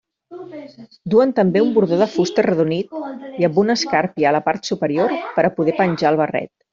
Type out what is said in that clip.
Duen també un bordó de fusta arredonit i amb una escàrpia a la part superior per a poder penjar el barret.